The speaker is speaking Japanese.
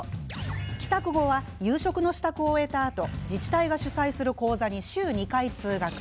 帰宅後は夕食の支度を終えたあと自治体が主催する講座に週２回、通学。